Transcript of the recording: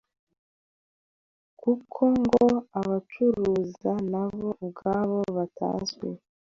kuko ngo abayacuruza nabo ubwabo batazwi.